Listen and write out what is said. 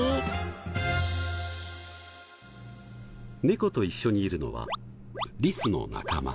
ネコと一緒にいるのはリスの仲間。